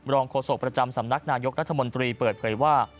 โฆษกประจำสำนักนายกรัฐมนตรีเปิดเผยว่า